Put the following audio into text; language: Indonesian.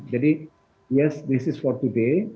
jadi ya ini untuk hari ini